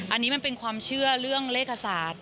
อันนี้มันเป็นความเชื่อเรื่องเลขศาสตร์